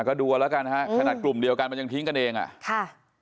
ก็ดูเอาแล้วกันฮะขนาดกลุ่มเดียวกันมันยังทิ้งกันเองอ่ะค่ะ